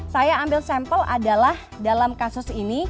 saya ambil sampel adalah dalam kasus ini